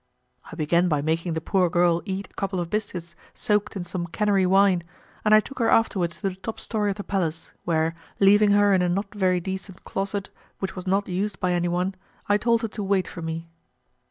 I began by making the poor girl eat a couple of biscuits soaked in some Canary wine, and I took her afterwards to the top story of the palace, where, leaving her in a not very decent closet which was not used by anyone, I told her to wait for me.